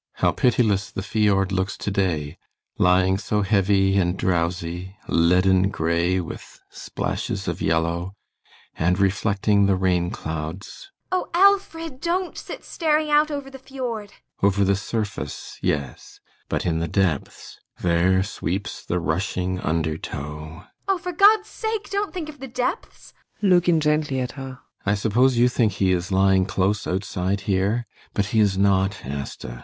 ] How pitiless the fiord looks to day, lying so heavy and drowsy leaden grey with splashes of yellow and reflecting the rain clouds. ASTA. [Imploringly.] Oh, Alfred, don't sit staring out over the fiord! ALLMERS. [Not heeding her.] Over the surface, yes. But in the depths there sweeps the rushing undertow ASTA. [In terror.] Oh, for God's sake don't think of the depths! ALLMERS. [Looking gently at her.] I suppose you think he is lying close outside here? But he is not, Asta.